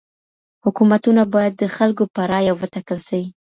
حکومتونه بايد د خلګو په رايه وټاکل سي.